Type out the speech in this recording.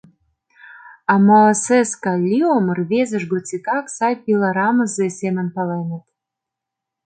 А Моосес Каллиом рвезыж годсекак сай пилорамызе семын паленыт.